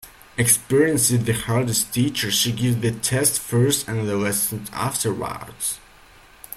Experience is the hardest teacher. She gives the test first and the lesson afterwards.